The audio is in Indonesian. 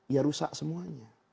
ya rusak semuanya